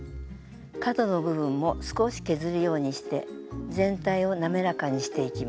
角の部分も少し削るようにして全体を滑らかにしていきます。